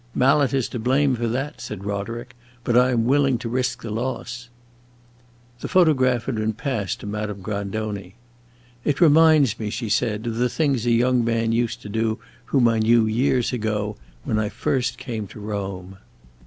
"Mallet is to blame for that," said Roderick. "But I am willing to risk the loss." The photograph had been passed to Madame Grandoni. "It reminds me," she said, "of the things a young man used to do whom I knew years ago, when I first came to Rome.